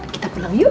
kita pulang yuk